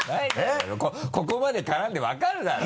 ここまで絡んで分かるだろ。